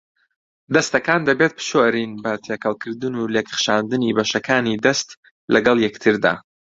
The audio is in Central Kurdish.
دەستەکان دەبێت بشورێن بە تێکەڵکردن و لێکخشاندنی بەشەکانی دەست لەگەڵ یەکتردا.